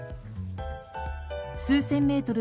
数千メートル